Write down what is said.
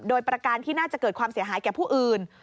โดยประการที่น่าจะเกิดความเสียหายแก่ผู้อื่น